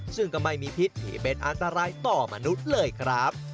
ซึ่งก็ไม่มีพิษที่เป็นอันตรายต่อมนุษย์เลยครับ